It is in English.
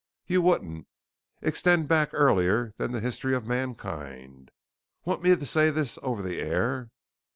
_" "You wouldn't extend back earlier than the history of Mankind. _want me to say this over the air?